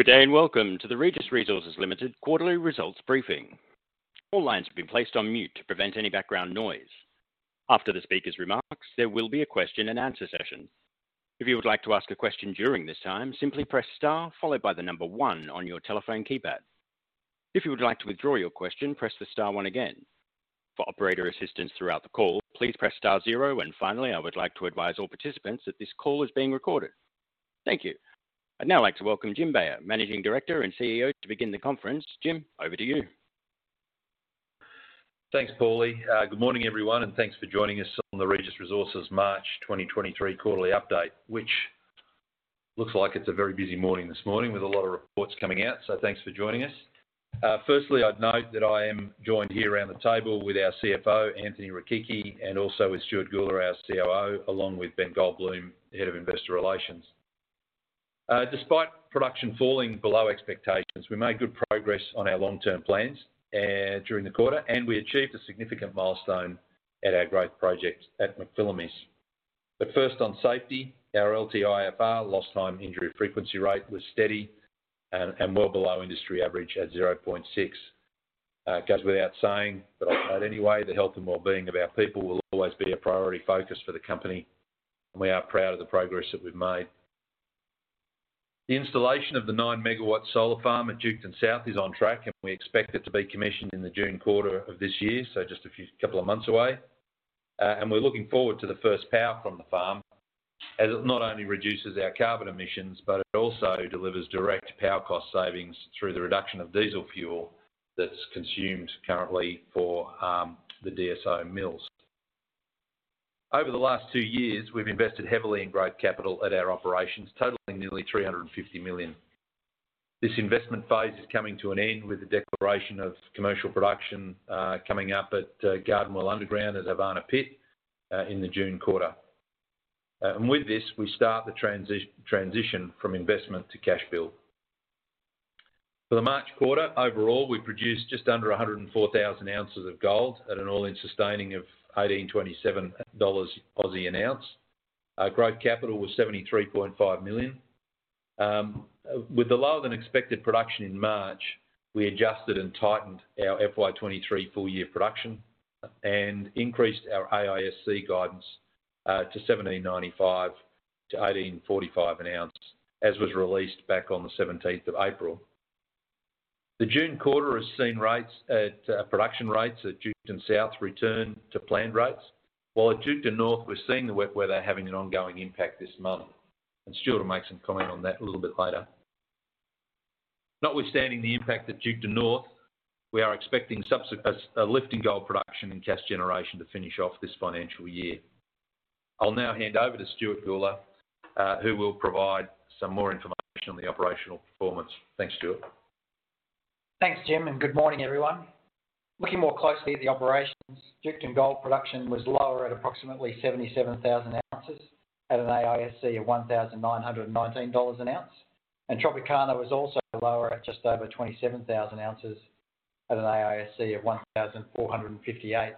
Good day and welcome to the Regis Resources Limited quarterly results briefing. All lines have been placed on mute to prevent any background noise. After the speaker's remarks, there will be a question and answer session. If you would like to ask a question during this time, simply press star followed by one on your telephone keypad. If you would like to withdraw your question, press the star one again. For operator assistance throughout the call, please press star 0. Finally, I'd like to advise all participants that this call is being recorded. Thank you. I'd now like to welcome Jim Beyer, Managing Director and CEO to begin the conference. Jim, over to you. Thanks Paulie. Good morning everyone, and thanks for joining us on the Regis Resources March 2023 quarterly update, which looks like it's a very busy morning this morning with a lot of reports coming out. Thanks for joining us. Firstly, I'd note that I am joined here around the table with our CFO, Anthony Rechichi, and also with Stuart Gula, our COO, along with Ben Goldbloom, the Head of Investor Relations. Despite production falling below expectations, we made good progress on our long-term plans during the quarter, and we achieved a significant milestone at our growth project at McPhillamys. First on safety, our LTIFR, Lost Time Injury Frequency Rate, was steady and well below industry average at 0.6. It goes without saying, but I'll say it anyway, the health and wellbeing of our people will always be a priority focus for the company, and we are proud of the progress that we've made. The installation of the 9 MW solar farm at Duketon South is on track, and we expect it to be commissioned in the June quarter of this year, so just a few couple of months away. We're looking forward to the first power from the farm, as it not only reduces our carbon emissions, but it also delivers direct power cost savings through the reduction of diesel fuel that's consumed currently for the DSO mills. Over the last two years, we've invested heavily in growth capital at our operations, totaling nearly 350 million. This investment phase is coming to an end with the declaration of commercial production, coming up at Garden Well underground at Havana Pit, in the June quarter. With this, we start the transition from investment to cash build. For the March quarter, overall, we produced just under 104,000 ounces of gold at an all-in sustaining of 1,827 Aussie dollars an ounce. Our growth capital was 73.5 million. With the lower than expected production in March, we adjusted and tightened our FY23 full-year production and increased our AISC guidance to 1,795-1,845 an ounce, as was released back on the 17th of April. The June quarter has seen rates at production rates at Duketon South return to planned rates, while at Duketon North, we're seeing the wet weather having an ongoing impact this month. Stuart will make some comment on that a little bit later. Notwithstanding the impact at Duketon North, we are expecting subsequent a lift in gold production and cash generation to finish off this financial year. I'll now hand over to Stuart Gula, who will provide some more information on the operational performance. Thanks, Stuart. Thanks, Jim, and good morning, everyone. Looking more closely at the operations, Duketon gold production was lower at approximately 77,000 ounces at an AISC of 1,919 dollars an ounce. Tropicana was also lower at just over 27,000 ounces at an AISC of 1,458.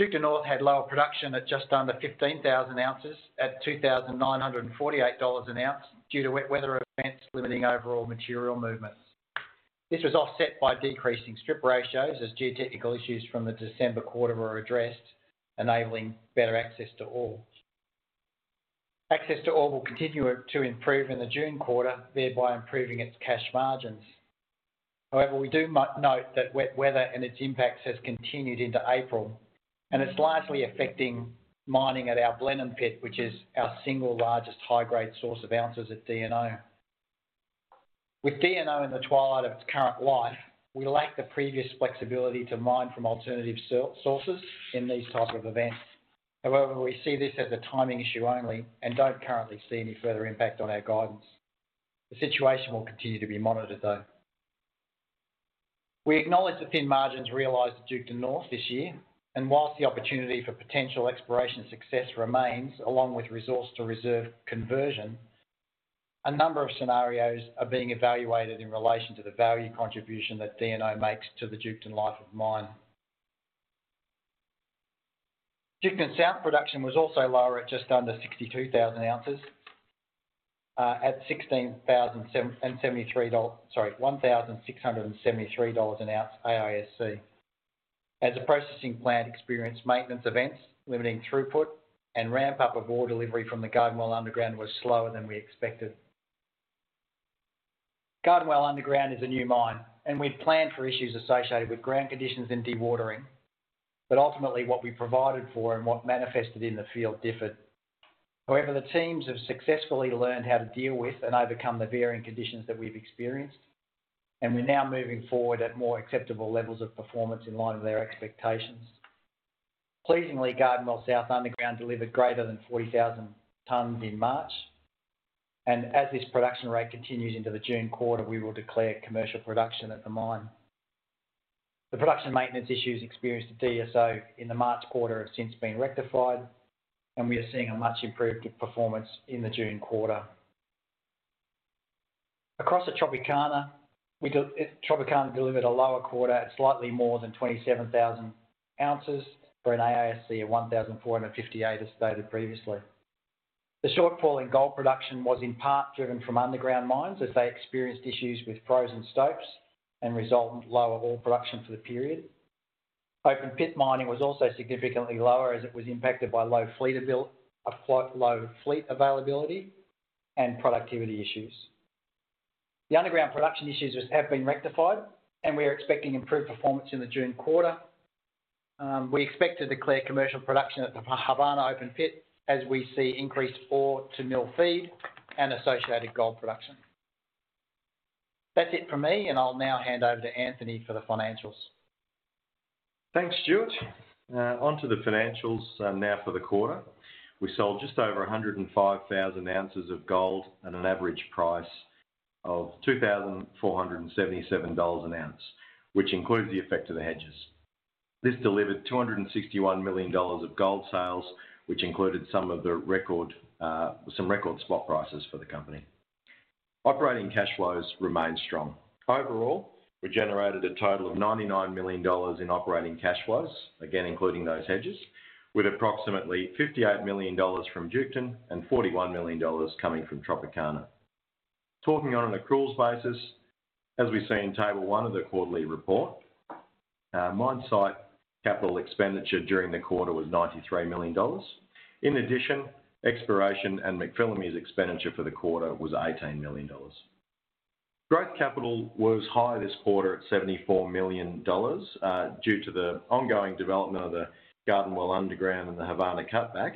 Duketon North had lower production at just under 15,000 ounces at 2,948 dollars an ounce due to wet weather events limiting overall material movements. This was offset by decreasing strip ratios as geotechnical issues from the December quarter were addressed, enabling better access to ore. Access to ore will continue to improve in the June quarter, thereby improving its cash margins. We do note that wet weather and its impacts has continued into April. It's largely affecting mining at our Blenheim pit, which is our single largest high-grade source of ounces at DNO. With DNO in the twilight of its current life, we lack the previous flexibility to mine from alternative sources in these type of events. We see this as a timing issue only and don't currently see any further impact on our guidance. The situation will continue to be monitored, though. We acknowledge the thin margins realized at Duketon North this year. Whilst the opportunity for potential exploration success remains, along with resource-to-reserve conversion, a number of scenarios are being evaluated in relation to the value contribution that DNO makes to the Duketon life of mine. Duketon South production was also lower at just under 62,000 ounces, at 1,673 dollars an ounce AISC. A processing plant experienced maintenance events, limiting throughput, and ramp up of ore delivery from the Garden Well underground was slower than we expected. Garden Well underground is a new mine, and we'd planned for issues associated with ground conditions and dewatering. Ultimately, what we provided for and what manifested in the field differed. However, the teams have successfully learned how to deal with and overcome the varying conditions that we've experienced, and we're now moving forward at more acceptable levels of performance in line with our expectations. Pleasingly, Garden Well South underground delivered greater than 40,000 tons in March. As this production rate continues into the June quarter, we will declare commercial production at the mine. The production maintenance issues experienced at DSO in the March quarter have since been rectified, and we are seeing a much improved performance in the June quarter. Across the Tropicana. Tropicana delivered a lower quarter at slightly more than 27,000 ounces for an AISC of 1,458, as stated previously. The shortfall in gold production was in part driven from underground mines as they experienced issues with frozen stopes and resultant lower ore production for the period. Open pit mining was also significantly lower as it was impacted by low fleet availability and productivity issues. The underground production issues have been rectified. We are expecting improved performance in the June quarter. We expect to declare commercial production at the Havana open pit as we see increased ore to mill feed and associated gold production. That's it from me. I'll now hand over to Anthony for the financials. Thanks, Stuart. Onto the financials now for the quarter. We sold just over 105,000 ounces of gold at an average price of 2,477 dollars an ounce, which includes the effect of the hedges. This delivered 261 million dollars of gold sales, which included some record spot prices for the company. Operating cash flows remained strong. Overall, we generated a total of 99 million dollars in operating cash flows, again including those hedges, with approximately 58 million dollars from Duketon and 41 million dollars coming from Tropicana. Talking on an accruals basis, as we see in table one of the quarterly report, mine site capital expenditure during the quarter was 93 million dollars. In addition, exploration and McPhillamys expenditure for the quarter was 18 million dollars. Growth capital was high this quarter at 74 million dollars due to the ongoing development of the Garden Well underground and the Havana cutback,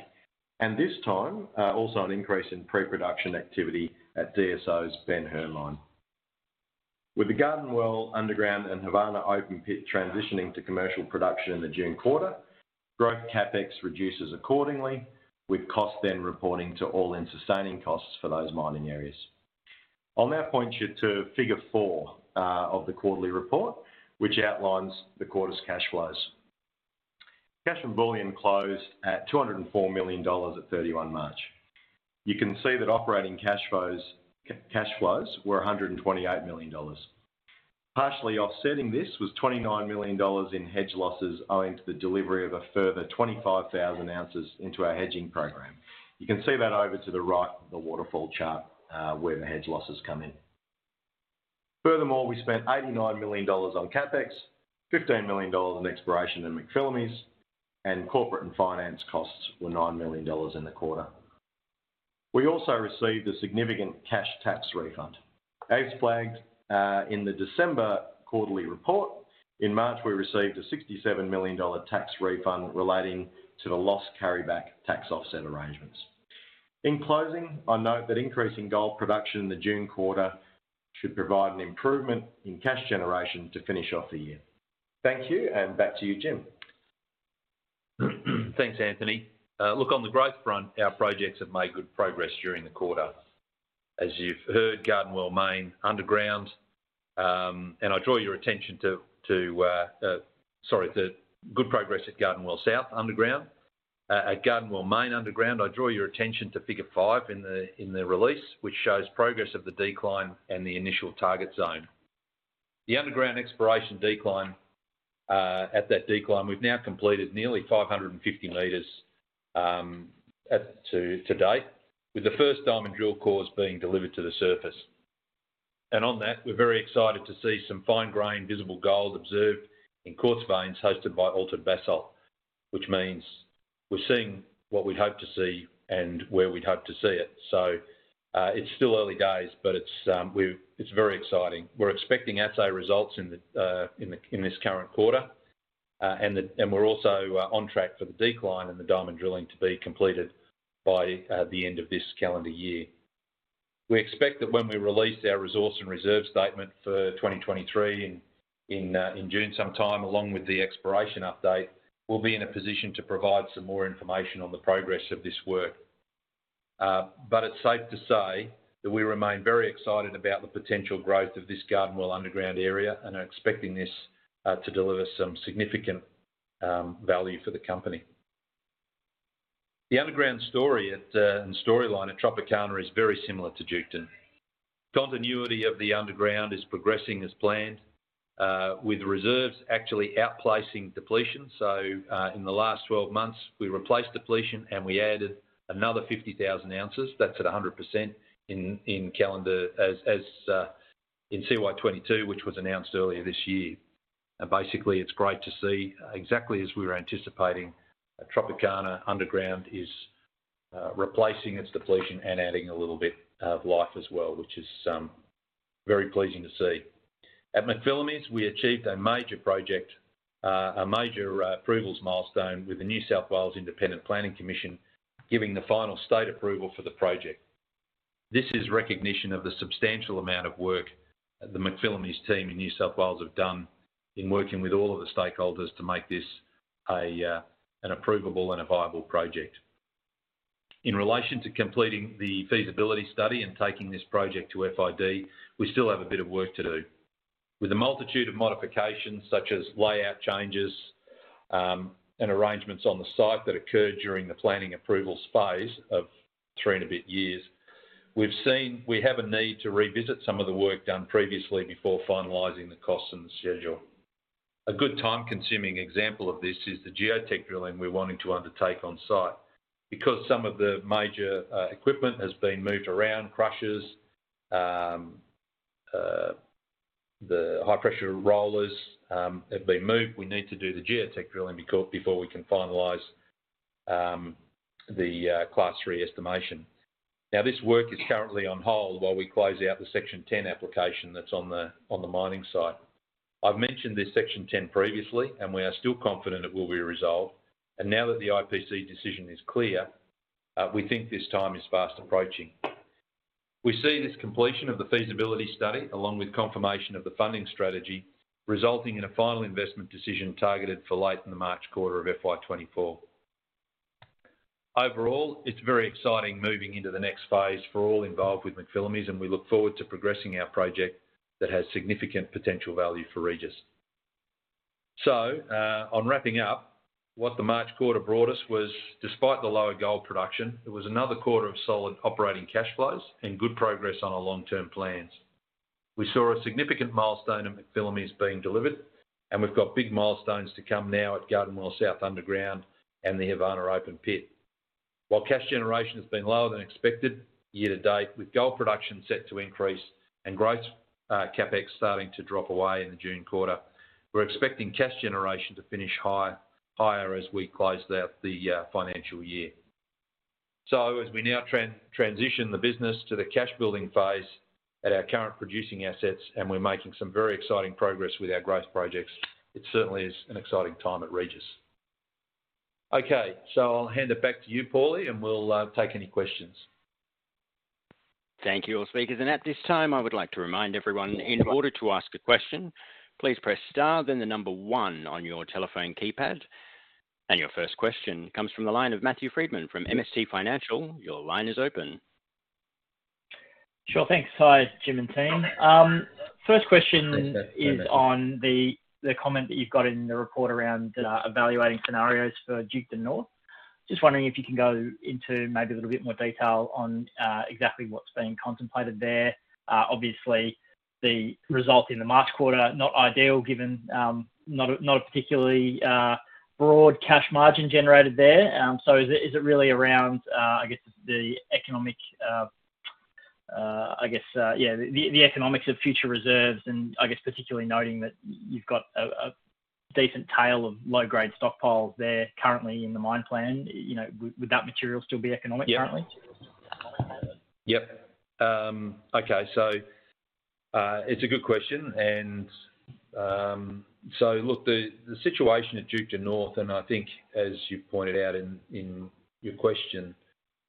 this time also an increase in preproduction activity at DSO's Ben Hur line. With the Garden Well underground and Havana open pit transitioning to commercial production in the June quarter, growth CapEx reduces accordingly, with cost then reporting to all-in sustaining costs for those mining areas. I'll now point you to figure four of the quarterly report, which outlines the quarter's cash flows. Cash and bullion closed at 204 million dollars at March 31. You can see that operating cash flows were 128 million dollars. Partially offsetting this was 29 million dollars in hedge losses owing to the delivery of a further 25,000 ounces into our hedging program. You can see that over to the right of the waterfall chart, where the hedge losses come in. Furthermore, we spent 89 million dollars on CapEx, 15 million dollars on exploration in McPhillamys, and corporate and finance costs were 9 million dollars in the quarter. We also received a significant cash tax refund. As flagged, in the December quarterly report, in March, we received a 67 million dollar tax refund relating to the loss carry back tax offset arrangements. In closing, I note that increasing gold production in the June quarter should provide an improvement in cash generation to finish off the year. Thank you, and back to you, Jim. Thanks Anthony. Look, on the growth front, our projects have made good progress during the quarter. As you've heard, Garden Well Main underground, I draw your attention to, sorry, the good progress at Garden Well South underground. At Garden Well Main underground, I draw your attention to figure five in the release, which shows progress of the decline and the initial target zone. The underground exploration decline, at that decline, we've now completed nearly 550 meters to date, with the first diamond drill cores being delivered to the surface. On that, we're very excited to see some fine grain visible gold observed in quartz veins hosted by altered basalt, which means we're seeing what we'd hope to see and where we'd hope to see it. It's still early days, but it's very exciting. We're expecting assay results in this current quarter. We're also on track for the decline in the diamond drilling to be completed by the end of this calendar year. We expect that when we release our resource and reserve statement for 2023 in June sometime, along with the exploration update, we'll be in a position to provide some more information on the progress of this work. It's safe to say that we remain very excited about the potential growth of this Garden Well underground area and are expecting this to deliver some significant value for the company. The underground story and storyline at Tropicana is very similar to Duketon. Continuity of the underground is progressing as planned, with reserves actually outplacing depletion. In the last 12 months, we replaced depletion, and we added another 50,000 ounces. That's at 100% in calendar as, in CY 2022, which was announced earlier this year. It's great to see, exactly as we were anticipating, Tropicana underground is replacing its depletion and adding a little bit of life as well, which is very pleasing to see. At McPhillamys, we achieved a major project, a major approvals milestone with the New South Wales Independent Planning Commission giving the final state approval for the project. This is recognition of the substantial amount of work the McPhillamys team in New South Wales have done in working with all of the stakeholders to make this an approvable and a viable project. In relation to completing the feasibility study and taking this project to FID, we still have a bit of work to do. With a multitude of modifications, such as layout changes, and arrangements on the site that occurred during the planning approvals phase of three and a bit years. We have a need to revisit some of the work done previously before finalizing the cost and the schedule. A good time-consuming example of this is the geotech drilling we're wanting to undertake on-site. Because some of the major equipment has been moved around, crushers, the high-pressure rollers have been moved. We need to do the geotech drilling before we can finalize the Class 3 estimate. This work is currently on hold while we close out the Section 10 application that's on the mining site. I've mentioned this Section 10 previously, and we are still confident it will be resolved, and now that the IPC decision is clear, we think this time is fast approaching. We see this completion of the feasibility study, along with confirmation of the funding strategy, resulting in a final investment decision targeted for late in the March quarter of FY 2024. Overall, it's very exciting moving into the next phase for all involved with McPhillamys, and we look forward to progressing our project that has significant potential value for Regis. On wrapping up, what the March quarter brought us was, despite the lower gold production, it was another quarter of solid operating cash flows and good progress on our long-term plans. We saw a significant milestone at McPhillamys being delivered. We've got big milestones to come now at Garden Well South Underground and the Havana open pit. While cash generation has been lower than expected year to date, with gold production set to increase and growth CapEx starting to drop away in the June quarter, we're expecting cash generation to finish higher as we close out the financial year. As we now transition the business to the cash-building phase at our current producing assets, and we're making some very exciting progress with our growth projects, it certainly is an exciting time at Regis. Okay, I'll hand it back to you Paulie and we'll take any questions. Thank you, all speakers. At this time, I would like to remind everyone, in order to ask a question, please press star then 1 on your telephone keypad. Your first question comes from the line of Matthew Frydman from MST Financial. Your line is open. Sure. Thanks. Hi, Jim and team. First question is on the comment that you've got in the report around evaluating scenarios for Duketon North. Just wondering if you can go into maybe a little bit more detail on exactly what's being contemplated there. Obviously the result in the March quarter, not ideal given not a particularly broad cash margin generated there. Is it really around I guess the economic I guess yeah, the economics of future reserves and I guess particularly noting that you've got a decent tail of low-grade stockpiles there currently in the mine plan. You know, would that material still be economic currently? Duketon North, as you pointed out in your question,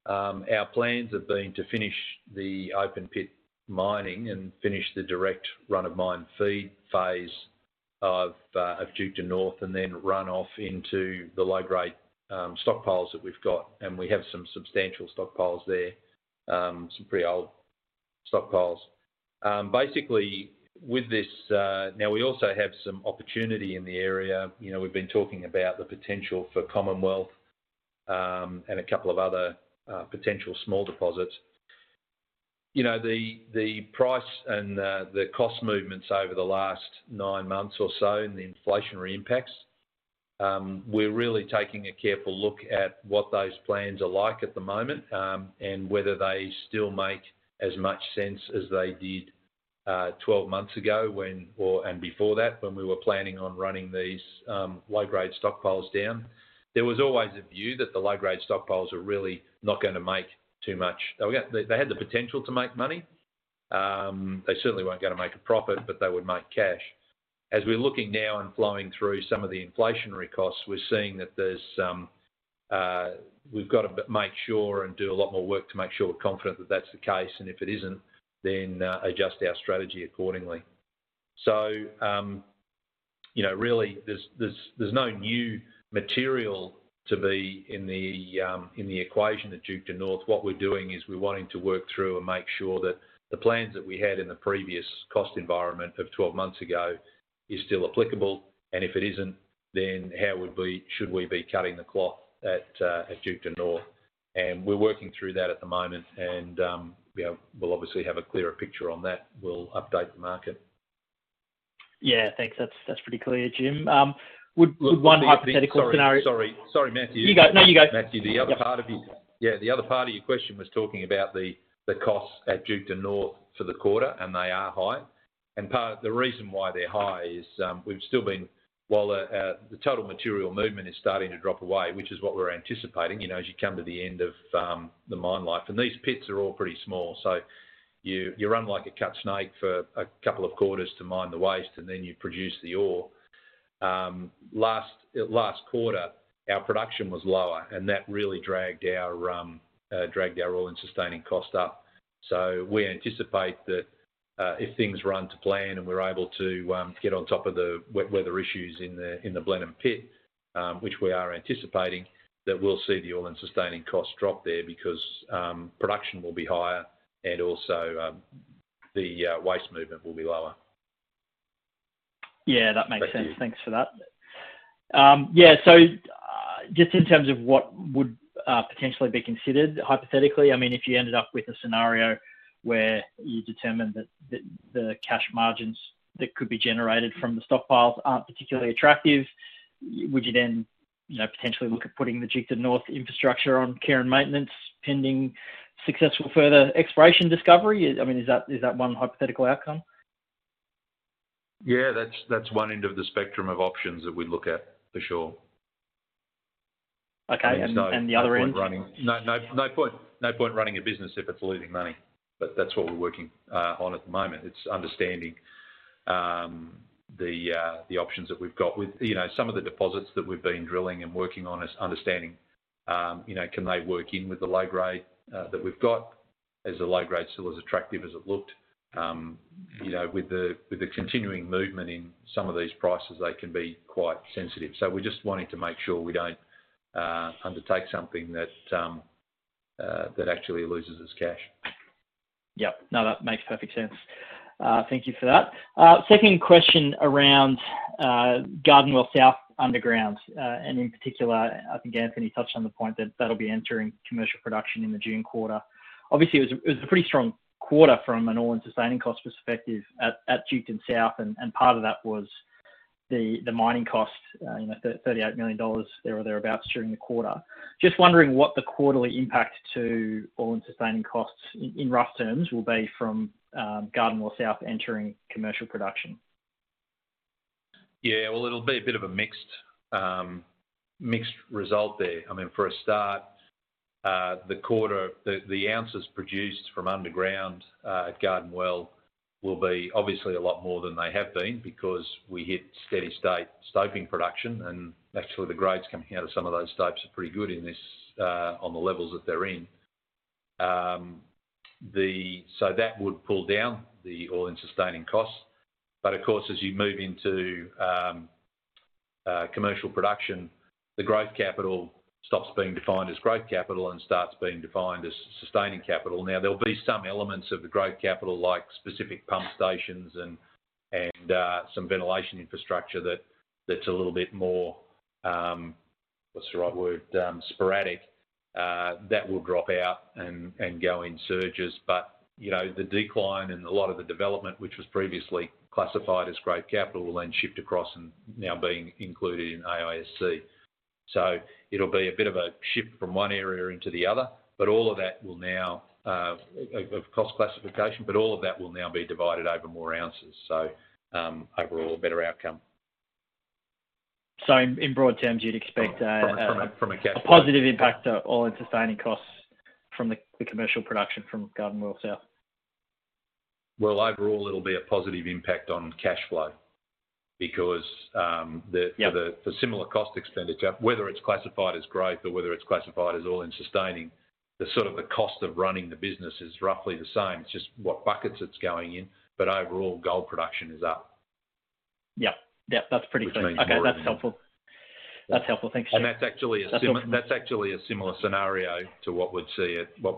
our plans have been to finish the open-pit mining and finish the direct run-of-mine feed phase of Duketon North, and then run off into the low-grade stockpiles that we've got. We have some substantial stockpiles there, some pretty old stockpiles. Basically, with this now we also have some opportunity in the area. You know, we've been talking about the potential for Commonwealth and a couple of other potential small deposits. You know, the price and the cost movements over the last nine months or so and the inflationary impacts, we're really taking a careful look at what those plans are like at the moment, and whether they still make as much sense as they did, 12 months ago when or, and before that, when we were planning on running these low-grade stockpiles down. There was always a view that the low-grade stockpiles are really not gonna make too much. They, they had the potential to make money. They certainly weren't gonna make a profit, but they would make cash. As we're looking now and flowing through some of the inflationary costs, we're seeing that there's some, we've got to make sure and do a lot more work to make sure we're confident that that's the case, and if it isn't, then, adjust our strategy accordingly. You know, really there's no new material to be in the equation at Duketon North. What we're doing is we're wanting to work through and make sure that the plans that we had in the previous cost environment of 12 months ago is still applicable. If it isn't, then how would we, should we be cutting the cloth at Duketon North? We're working through that at the moment. You know, we'll obviously have a clearer picture on that. We'll update the market. Yeah. Thanks. That's pretty clear, Jim. Would one hypothetical scenario - Sorry, Matthew. You go. No, you go. Matthew, the other part of your question was talking about the costs at Duketon North for the quarter, and they are high. Part of the reason why they're high is we've still been - while the total material movement is starting to drop away, which is what we're anticipating, you know, as you come to the end of the mine life. These pits are all pretty small. You run like a cut snake for a couple of quarters to mine the waste and then you produce the ore. last quarter, our production was lower, and that really dragged our all in sustaining cost up. We anticipate that if things run to plan and we're able to get on top of the weather issues in the Blenheim pit, which we are anticipating, that we'll see the all in sustaining cost drop there because production will be higher and also the waste movement will be lower. Yeah, that makes sense. Thank you. Thanks for that. Just in terms of what would potentially be considered hypothetically, I mean, if you ended up with a scenario where you determine that the cash margins that could be generated from the stockpiles aren't particularly attractive, would you then, you know, potentially look at putting the Duketon North infrastructure on care and maintenance pending successful further exploration discovery? I mean is that one hypothetical outcome? Yeah, that's one end of the spectrum of options that we'd look at, for sure. Okay. The other end? And so no point running - no point running a business if it's losing money. That's what we're working on at the moment. It's understanding the options that we've got with, you know, some of the deposits that we've been drilling and working on is understanding, you know, can they work in with the low grade that we've got? Is the low grade still as attractive as it looked? You know, with the continuing movement in some of these prices, they can be quite sensitive. We're just wanting to make sure we don't undertake something that actually loses us cash. Yep. No, that makes perfect sense. Thank you for that. Second question around Garden Well South underground, and in particular, I think Anthony touched on the point that that'll be entering commercial production in the June quarter. Obviously, it was a pretty strong quarter from an all-in sustaining cost perspective at Duketon North, and part of that was the mining cost, you know, 38 million dollars, there or thereabouts, during the quarter. Just wondering what the quarterly impact to all-in sustaining costs in rough terms will be from Garden Well South entering commercial production. Yeah. Well, it'll be a bit of a mixed result there. I mean, for a start, the ounces produced from underground at Garden Well will be obviously a lot more than they have been because we hit steady state stoping production, and actually the grades coming out of some of those stopes are pretty good in this on the levels that they're in. That would pull down the all-in sustaining costs. Of course, as you move into commercial production, the growth capital stops being defined as growth capital and starts being defined as sustaining capital. There'll be some elements of the growth capital like specific pump stations and some ventilation infrastructure that's a little bit more, what's the right word? Sporadic, that will drop out and go in surges. You know, the decline in a lot of the development, which was previously classified as growth capital will then shift across and now being included in AISC. It'll be a bit of a shift from one area into the other, but all of that will now of cost classification, but all of that will now be divided over more ounces. Overall a better outcome. In broad terms, you'd expect a positive impact to all-in sustaining costs from the commercial production from Garden Well South? Overall it'll be a positive impact on cash flow because for similar cost expenditure, whether it's classified as growth or whether it's classified as all-in sustaining, the sort of the cost of running the business is roughly the same. It's just what buckets it's going in. Overall gold production is up. Yep. Yep. That's pretty clear. Which means more. Okay. That's helpful. That's helpful. Thanks, Jim. That's helpful. That's actually a similar scenario to what we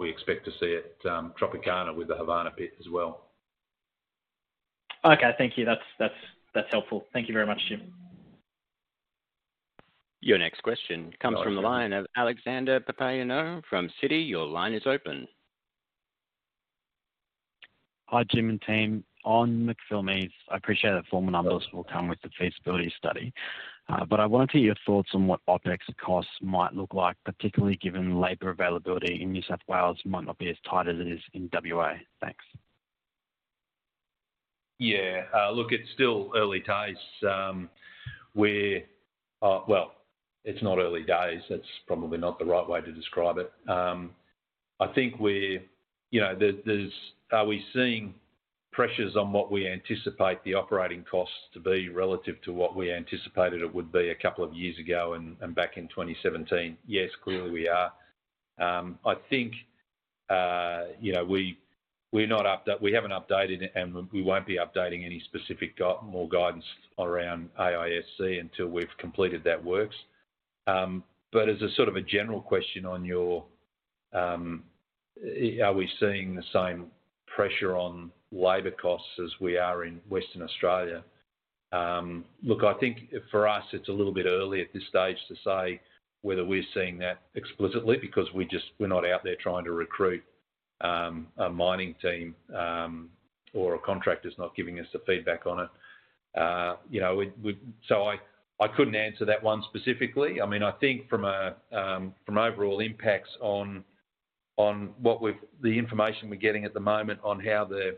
expect to see at Tropicana with the Havana pit as well. Okay. Thank you. That's helpful. Thank you very much, Jim. Your next question comes from the line of Alex Papaioanou from Citi. Your line is open. Hi, Jim and team. On McPhillamys, I appreciate that formal numbers will come with the feasibility study, but I wanted to hear your thoughts on what OpEx costs might look like, particularly given labor availability in New South Wales might not be as tight as it is in WA. Thanks. Yeah. Look, it's still early days. Well, it's not early days. That's probably not the right way to describe it. I think we're, you know, there's... Are we seeing pressures on what we anticipate the operating costs to be relative to what we anticipated it would be a couple of years ago and back in 2017? Yes, clearly we are. I think you know, we haven't updated and we won't be updating any specific more guidance around AISC until we've completed that works. As a sort of a general question on your, are we seeing the same pressure on labor costs as we are in Western Australia? Look, I think for us it's a little bit early at this stage to say whether we're seeing that explicitly because we just, we're not out there trying to recruit a mining team or our contractors not giving us the feedback on it. You know, we - I couldn't answer that one specifically. I mean I think from a from overall impacts, the information we're getting at the moment on how the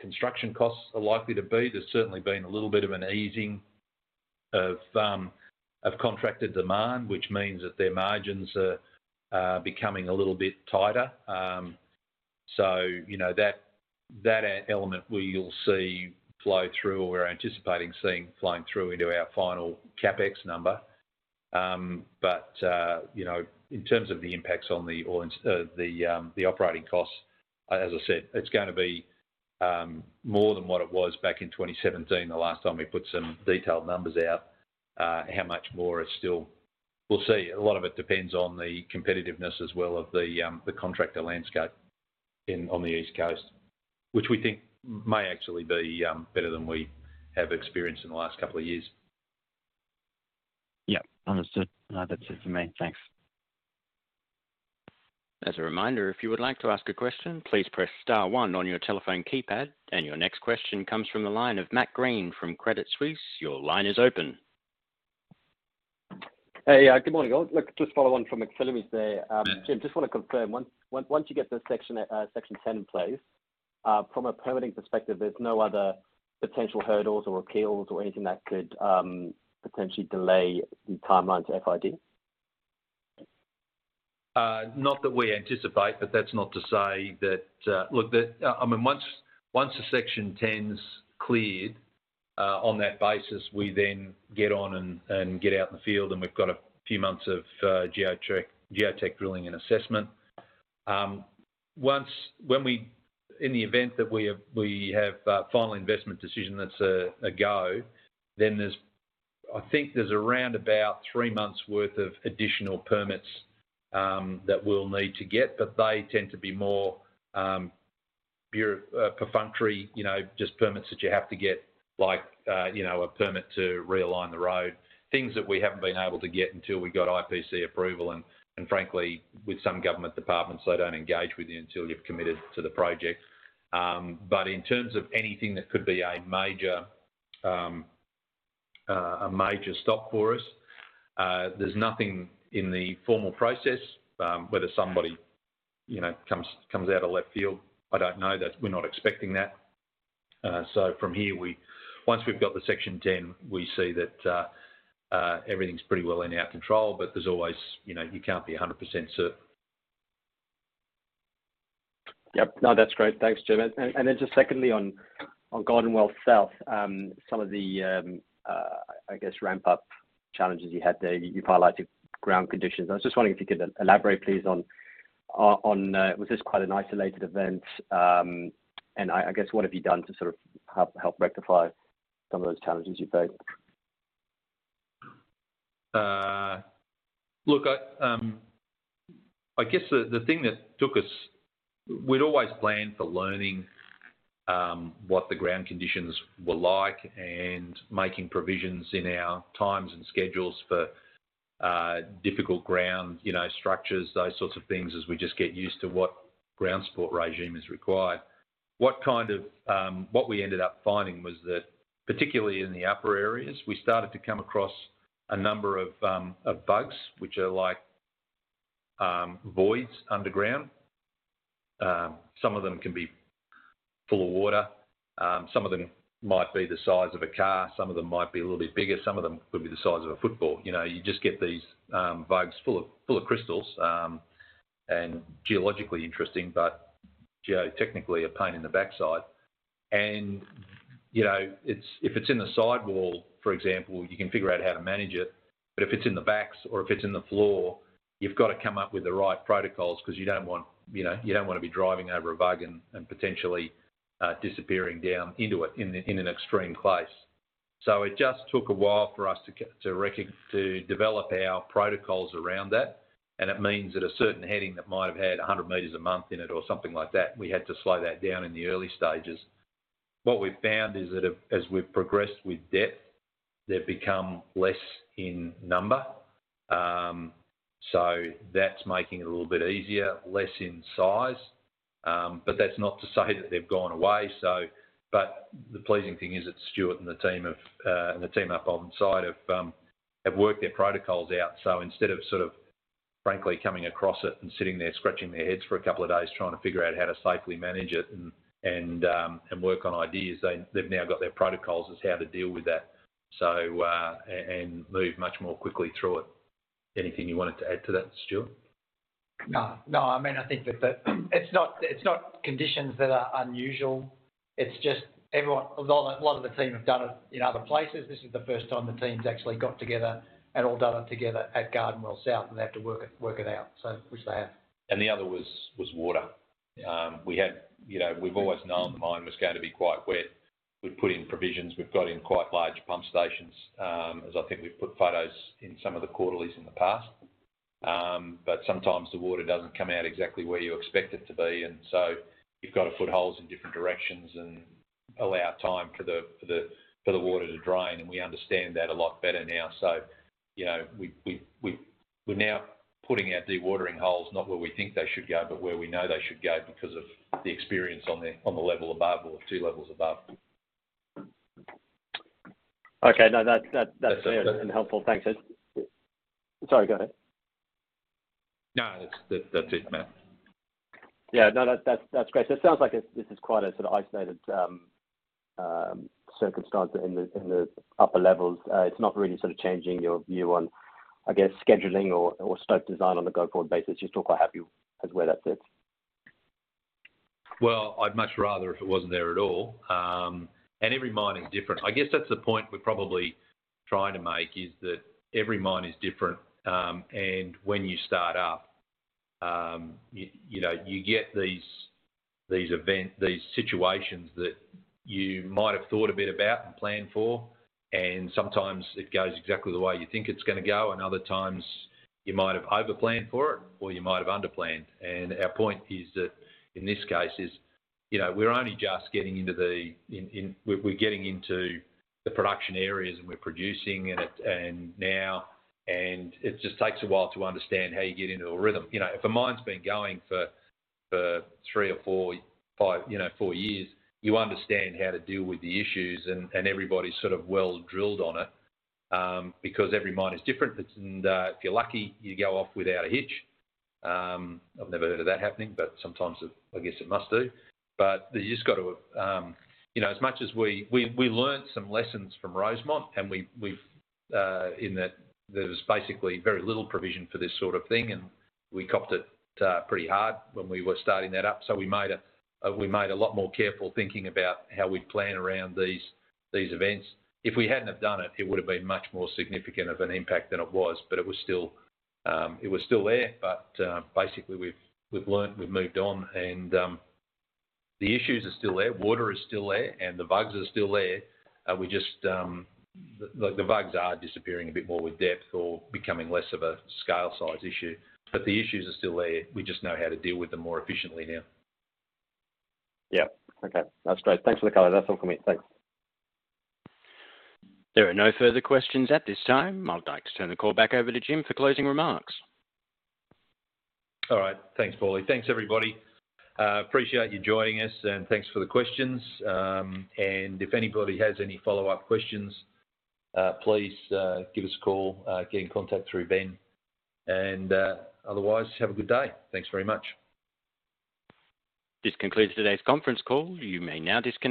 construction costs are likely to be, there's certainly been a little bit of an easing of contracted demand, which means that their margins are becoming a little bit tighter. You know, that element we'll see flow through or we're anticipating seeing flowing through into our final CapEx number. You know, in terms of the impacts on the oil and the operating costs, as I said, it's gonna be more than what it was back in 2017, the last time we put some detailed numbers out. How much more, it's still, we'll see. A lot of it depends on the competitiveness as well of the contractor landscape in, on the East Coast. We think may actually be better than we have experienced in the last couple of years. Yep, understood. No, that's it from me. Thanks. As a reminder, if you would like to ask a question, please press star one on your telephone keypad. Your next question comes from the line of Matt Green from Credit Suisse. Your line is open. Hey, good morning all. Look, just following on from Alex Papaioanou there. Jim, just wanna confirm, once you get the Section 10 in place, from a permitting perspective, there's no other potential hurdles or appeals or anything that could, potentially delay the timeline to FID? Not that we anticipate, but that's not to say that. Look, the, once the Section 10's cleared, on that basis, we then get on and get out in the field and we've got a few months of geo tech drilling and assessment. In the event that we have final investment decision, that's a go. Then there's, I think there's around about three months worth of additional permits that we'll need to get, but they tend to be more bureau, perfunctory, you know, just permits that you have to get, like, you know, a permit to realign the road. Things that we haven't been able to get until we got IPC approval, and frankly, with some government departments, they don't engage with you until you've committed to the project. In terms of anything that could be a major, a major stop for us, there's nothing in the formal process, whether somebody, you know, comes out of left field. I don't know. We're not expecting that. From here, we - once we've got the Section 10, we see that everything's pretty well in our control, but there's always, you know, you can't be 100% certain. Yep. No, that's great. Thanks, Jim. Then just secondly on Garden Well South, some of the I guess ramp-up challenges you had there, you highlighted ground conditions. I was just wondering if you could elaborate, please, on, was this quite an isolated event? I guess, what have you done to sort of help rectify some of those challenges you faced? Look, I guess the thing that took us. We'd always planned for learning what the ground conditions were like and making provisions in our times and schedules for difficult ground, you know, structures, those sorts of things, as we just get used to what ground support regime is required. What we ended up finding was that, particularly in the upper areas, we started to come across a number of bugs, which are like voids underground. Some of them can be full of water. Some of them might be the size of a car. Some of them might be a little bit bigger. Some of them could be the size of a football. You know, you just get these bugs full of crystals, and geologically interesting, but geotechnically a pain in the backside. You know, it's - if it's in the sidewall, for example, you can figure out how to manage it. If it's in the backs or if it's in the floor, you've got to come up with the right protocols 'cause you don't want, you know, you don't wanna be driving over a bug and potentially disappearing down into it, in an extreme case. It just took a while for us to get to develop our protocols around that. It means that a certain heading that might have had 100 meters a month in it or something like that, we had to slow that down in the early stages. What we've found is that if, as we've progressed with depth, they've become less in number, so that's making it a little bit easier, less in size. But that's not to say that they've gone away, so, but the pleasing thing is that Stuart and the team have, and the team up on site have worked their protocols out. Instead of, sort of, frankly coming across it and sitting there scratching their heads for a couple of days trying to figure out how to safely manage it and, and work on ideas, they've now got their protocols as how to deal with that. And move much more quickly through it. Anything you wanted to add to that, Stuart? No. No, I mean I think that it's not conditions that are unusual. It's just everyone. Although a lot of the team have done it in other places, this is the first time the team's actually got together and all done it together at Garden Well South, and they have to work it out, so, which they have. The other was water. We had, you know, we've always known the mine was going to be quite wet. We've put in provisions. We've got in quite large pump stations, as I think we've put photos in some of the quarterlies in the past. Sometimes the water doesn't come out exactly where you expect it to be, and so you've got to put holes in different directions and allow time for the water to drain. We understand that a lot better now. You know, we're now putting our dewatering holes not where we think they should go, but where we know they should go because of the experience on the level above or two levels above. Okay. No, that's clear and helpful. Thanks. Sorry, go ahead. No, that's it, Matt. Yeah. No, that's great. It sounds like this is quite a sort of isolated circumstance in the upper levels. It's not really sort of changing your view on, I guess, scheduling or scope design on the go-forward basis. You're still quite happy as where that sits. Well, I'd much rather if it wasn't there at all. Every mine is different. I guess that's the point we're probably trying to make is that every mine is different. When you know, you get these event, these situations that you might have thought a bit about and planned for, and sometimes it goes exactly the way you think it's gonna go, and other times you might have over-planned for it or you might have under-planned. Our point is that, in this case, is, you know, we're only just getting into the production areas, and we're producing in it. It just takes a while to understand how you get into a rhythm. You know, if a mine's been going for three or four, five, you know, four years, you understand how to deal with the issues. Everybody's sort of well-drilled on it, because every mine is different. If you're lucky, you go off without a hitch. I've never heard of that happening, but sometimes it, I guess, it must do. You just gotta, you know, as much as we learnt some lessons from Rosemont, and we've in that there's basically very little provision for this sort of thing. We copped it pretty hard when we were starting that up. We made a lot more careful thinking about how we'd plan around these events. If we hadn't have done it would've been much more significant of an impact than it was, but it was still there. Basically, we've learned, we've moved on and the issues are still there. Water is still there, and the bugs are still there. The bugs are disappearing a bit more with depth or becoming less of a scale size issue. The issues are still there. We just know how to deal with them more efficiently now. Yeah. Okay. That's great. Thanks for the color. That's all for me. Thanks. There are no further questions at this time. I'd like to turn the call back over to Jim for closing remarks. All right. Thanks, Paulie. Thanks everybody. Appreciate you joining us, and thanks for the questions. If anybody has any follow-up questions, please, give us a call, get in contact through Ben. Otherwise, have a good day. Thanks very much. This concludes today's conference call. You may now disconnect.